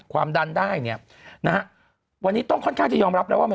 ความดันได้เนี่ยนะฮะวันนี้ต้องค่อนข้างจะยอมรับแล้วว่ามัน